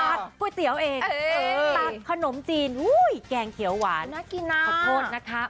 ก๋วยเตี๋ยวเองตักขนมจีนอุ้ยแกงเขียวหวานน่ากินนะขอโทษนะคะ